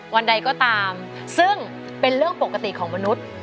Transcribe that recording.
วันใดก็ตามซึ่งเป็นเรื่องปกติของมนุษย์